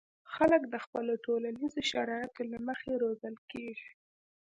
خلک د خپلو ټولنیزو شرایطو له مخې روزل کېږي.